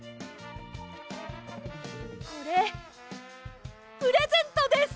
これプレゼントです！